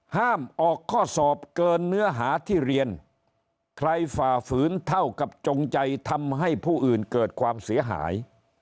ห้ามออกข้อสอบเกินเนื้อหาที่เรียนใครฝ่าฝืนเท่ากับจงใจทำให้ผู้อื่นเกิดความเสียหาย